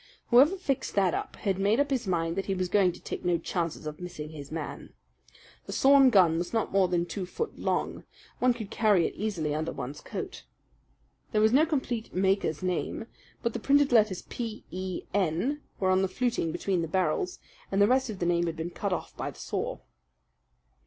Whoever fixed that up had made up his mind that he was going to take no chances of missing his man. The sawed gun was not more than two foot long one could carry it easily under one's coat. There was no complete maker's name; but the printed letters P E N were on the fluting between the barrels, and the rest of the name had been cut off by the saw."